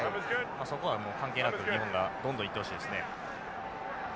そこは関係なく日本がどんどんいってほしいですね。